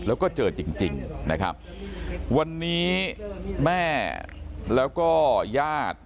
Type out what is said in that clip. แล้วก็เจอจริงจริงนะครับวันนี้แม่แล้วก็ญาติ